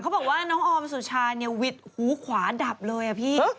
บอกว่าน้องออมสุชาเนี่ยหวิดหูขวาดับเลยอะพี่